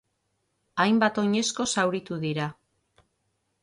Hainbat oinezko zauritu dira.